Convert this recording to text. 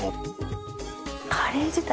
カレー自体